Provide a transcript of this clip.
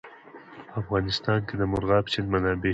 په افغانستان کې د مورغاب سیند منابع شته.